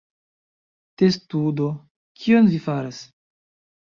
Testudo: "Kion vi faras?"